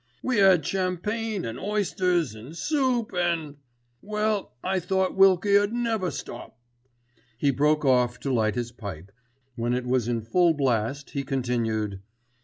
"We 'ad champagne an' oysters, an' soup an'—— Well I thought Wilkie 'ud never stop." He broke off to light his pipe, when it was in full blast he continued.